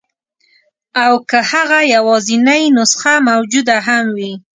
او که هغه یوازنۍ نسخه موجوده هم وي.